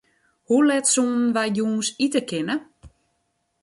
Hoe let soenen wy jûns ite kinne?